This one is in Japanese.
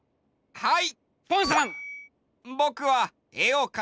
はい！